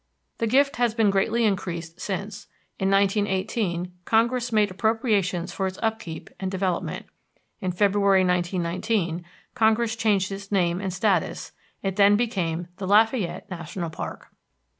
The gift has been greatly increased since. In 1918 Congress made appropriations for its upkeep and development. In February, 1919, Congress changed its name and status; it then became the Lafayette National Park.